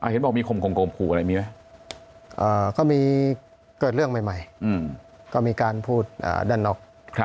เห็นบอกมีคมขู่อะไรมีไหมก็มีเกิดเรื่องใหม่ก็มีการพูดด้านนอก